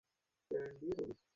আমাকে সাহায্য করছেন কেন আপনারা?